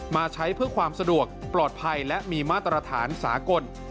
มาใช้เพื่อความสะดวกปลอดภัยและมีมาตรฐานสากล